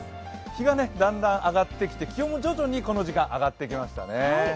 日がだんだん上がってきて気温も徐々にこの時間上がってきましたね。